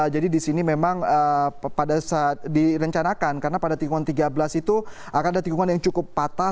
jadi di sini memang direncanakan karena pada tikungan tiga belas itu akan ada tikungan yang cukup patah